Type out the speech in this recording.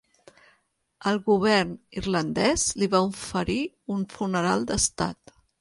El Govern irlandès li va oferir un funeral d'Estat.